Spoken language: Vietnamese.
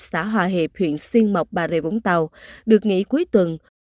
xã hòa hiệp huyện xuyên mộc bà rệ vũng tàu được nghỉ cuối tuần